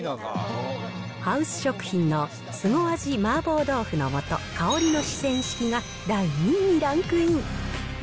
ハウス食品の凄味麻婆豆腐の素香りの四川式が第２位にランクイン。